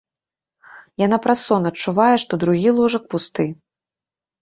Яна праз сон адчувае, што другі ложак пусты.